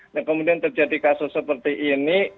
dan kemudian terjadi kasus seperti ini